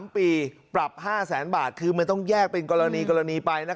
๓ปีปรับ๕แสนบาทคือมันต้องแยกเป็นกรณีไปนะ